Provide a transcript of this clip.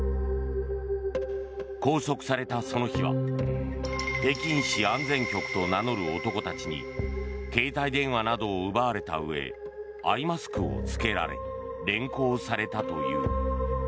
拘束されたその日は北京市安全局と名乗る男たちに携帯電話などを奪われたうえアイマスクを着けられ連行されたという。